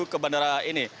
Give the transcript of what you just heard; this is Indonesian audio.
ke bandara ini